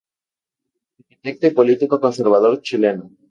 Arquitecto y político conservador chileno.